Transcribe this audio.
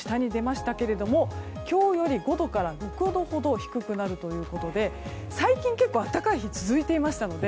今日より５度から６度ほど低くなるということで最近、結構暖かい日が続いていたので。